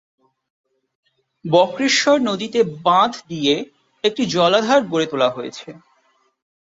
বক্রেশ্বর নদীতে বাঁধ দিয়ে একটি জলাধার গড়ে তোলা হয়েছে।